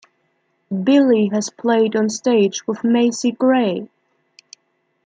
Billy has played on stage with Macy Gray.